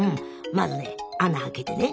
まずね穴開けてね